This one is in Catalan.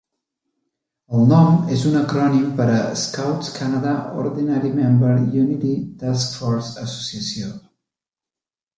El nom és un acrònim per a "Scouts Canada ordinari membre Unity Taskforce Associació".